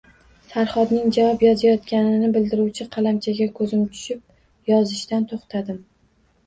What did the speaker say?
Farhodning javob yozayotganini bildiruvchi qalamchaga ko`zim tushib yozishdan to`xtadim